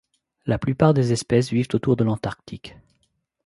La plupart des espèces vivent autour de l'Antarctique.